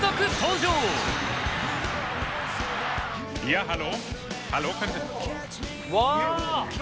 うわ！